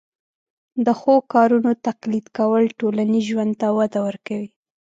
د ښو کارونو تقلید کول ټولنیز ژوند ته وده ورکوي.